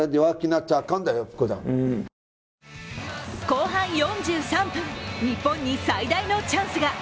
後半４３分、日本に最大のチャンスが。